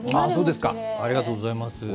そうですか、ありがとうございます。